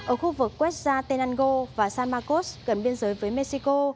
ở khu vực quechya tenango và san marcos gần biên giới với mexico